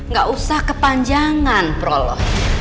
gak usah kepanjangan prolo